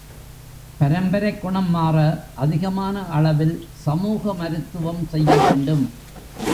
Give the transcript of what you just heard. பரம்பரைக் குணம் மாற, அதிகமான அளவில் சமூக மருத்துவம் செய்யவேண்டும்.